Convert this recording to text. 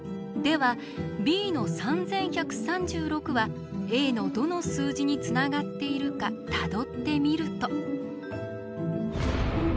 ではＢの３１３６はＡのどの数字につながっているかたどってみると。